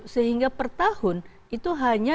sehingga per tahun itu hanya